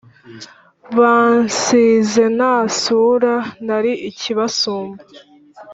Bansize nta sura Nari ikibasumba